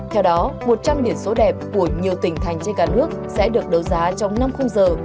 theo đó một trăm linh biển số đẹp của nhiều tỉnh thành trên cả nước sẽ được đấu giá trong năm khung giờ